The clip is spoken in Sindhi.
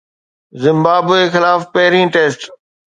زمبابوي خلاف پهرين ٽيسٽ